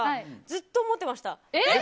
ずっと思ってました。